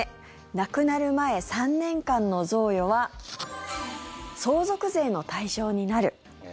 亡くなる前３年間の贈与は相続税の対象になる。